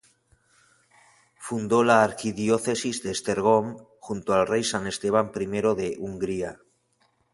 Fundó la arquidiócesis de Esztergom junto al rey San Esteban I de Hungría.